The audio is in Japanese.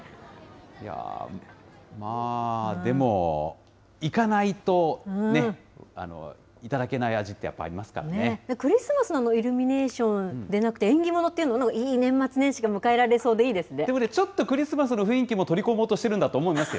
いやー、まあでも、行かないとね、頂けない味ってやっぱりあクリスマスのイルミネーションでなくて、縁起物っていうの、なんか、いい年末年始が迎えられでもね、ちょっとクリスマスの雰囲気も取り込もうとしてるんだと思いますよ。